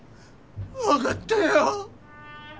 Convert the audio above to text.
分かったよ。